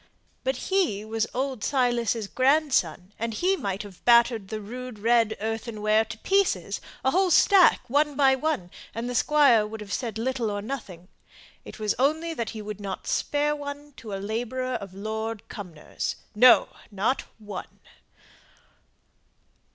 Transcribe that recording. But he was old Silas's grandson, and he might have battered the rude red earthenware to pieces a whole stack one by one, and the Squire would have said little or nothing. It was only that he would not spare one to a labourer of Lord Cumnor's. No! not one.